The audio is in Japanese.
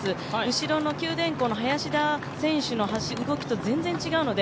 後ろの九電工の林田選手の動きと全然違うので、